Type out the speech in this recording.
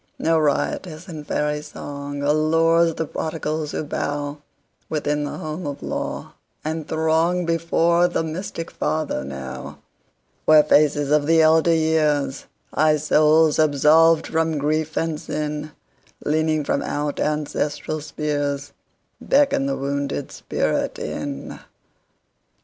No riotous and fairy songAllures the prodigals who bowWithin the home of law, and throngBefore the mystic Father now, Where faces of the elder years, High souls absolved from grief and sin, Leaning from out ancestral spheresBeckon the wounded spirit in.